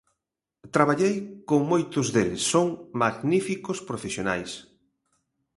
Traballei con moitos deles, son magníficos profesionais.